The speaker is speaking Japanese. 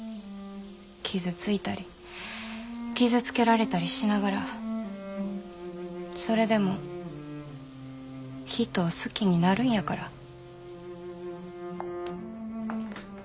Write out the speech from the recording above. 傷ついたり傷つけられたりしながらそれでも人を好きになるんやから。